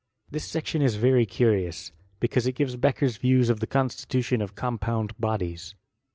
This sectioa is very coiioas, becanse it gives Becxrher^s liem of the coDStitntioa of coBipooDd bodies.